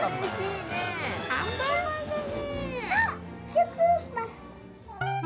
アンパンマンだね。